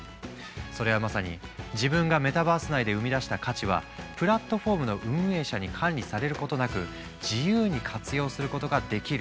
それはまさに自分がメタバース内で生み出した価値はプラットフォームの運営者に管理されることなく自由に活用することができる。